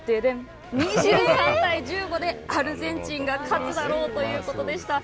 ２３対１５でアルゼンチンが勝つだろうということでした。